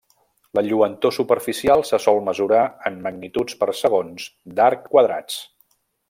La lluentor superficial se sol mesurar en magnituds per segons d'arc quadrats.